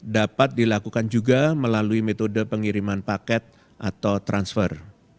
dapat dilakukan juga melalui metode pengiriman paket atau transfer